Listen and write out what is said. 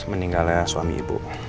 meninggalnya suami ibu